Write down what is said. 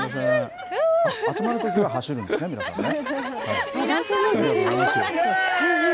集まるときは走るんですね、皆さんね。